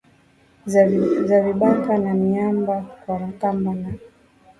za vibaka na miamba kwa kamba na